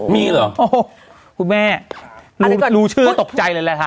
มีเหรอคุณแม่รู้ชื่อก็ตกใจเลยแหละค่ะ